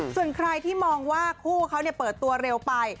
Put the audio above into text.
ส่วนใครที่มองว่าคู่เขาเปิดตัวเร็วไป